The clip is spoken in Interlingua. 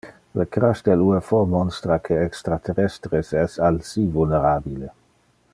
Le crash del ufo monstra que extraterrestres es alsi vulnerabile.